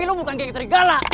ini lo bukan geng serigala